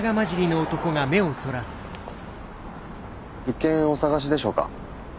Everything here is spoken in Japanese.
物件お探しでしょうか？